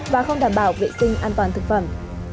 và không đảm bảo vệ sinh an toàn thực phẩm